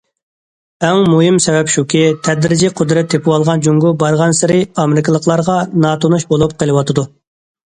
ئەڭ مۇھىم سەۋەب شۇكى، تەدرىجىي قۇدرەت تېپىۋاتقان جۇڭگو بارغانسېرى ئامېرىكىلىقلارغا ناتونۇش بولۇپ قېلىۋاتىدۇ.